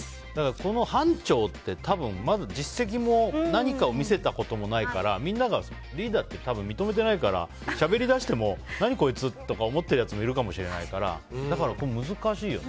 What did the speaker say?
この班長って、実績も何かを見せたこともないからみんながリーダーって認めてないからしゃべりだしても何こいつ？とか思ってるやつもいるかもしれないからだから、難しいよね。